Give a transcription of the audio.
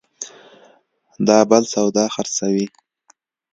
دا بل سودا خرڅوي